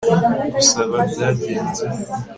Gusaba byagenze